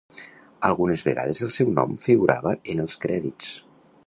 Algunes vegades el seu nom figurava en els crèdits.